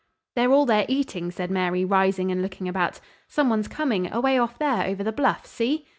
"They're all there eating," said Mary, rising and looking about. "Some one's coming, away off there over the bluff; see?"